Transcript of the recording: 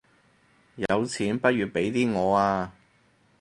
有錢不如俾啲我吖